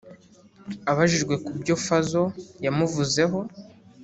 Abajijwe ku byo Fazzo yamuvuzeho